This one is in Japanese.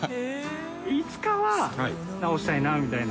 いつかは直したいなみたいな？